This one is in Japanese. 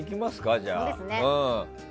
じゃあ。